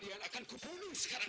iya bu ine